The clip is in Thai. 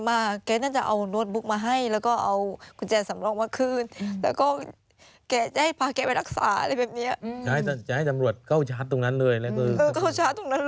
แล้วทำไมมาถึงไม่เป็นแบบนั้นคะ